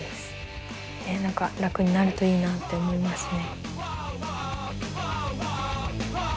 何か楽になるといいなって思いますね。